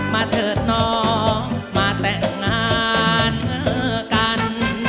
มาเถิดน้องมาแต่งงานกัน